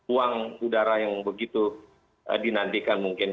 uang udara yang begitu dinantikan mungkin